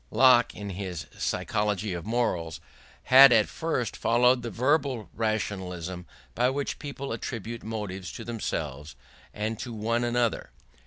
Locke, in his psychology of morals, had at first followed the verbal rationalism by which people attribute motives to themselves and to one another.